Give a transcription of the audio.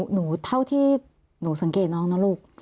เท่าที่หนูสังเกตน้องนะลูก